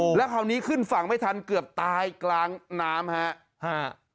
แล้วคราวนี้ขึ้นฝั่งไม่ทันเกือบตายกลางน้ำฮะฮะ